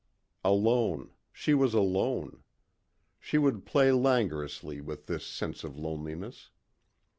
Alone ... she was alone. She would play langorously with this sense of loneliness.